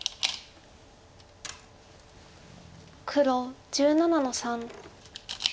黒１７の三。